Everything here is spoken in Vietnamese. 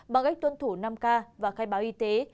bằng cách tuân thủ năm k và khai báo y tế